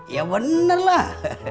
ya bener lah